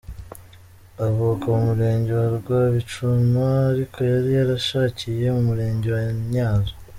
Avuka mu murenge wa Rwabicuma ariko yari yarashakiye mu murenge wa Ntyazo.